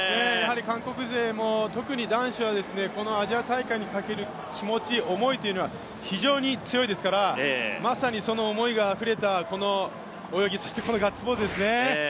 韓国勢も特に男子はアジア大会にかける気持ち、思いというのは非常に強いですから、まさにその思いがあふれたこの泳ぎ、そしてこのガッツポーズですね。